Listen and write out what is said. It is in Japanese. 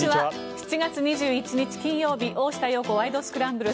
７月２１日、金曜日「大下容子ワイド！スクランブル」。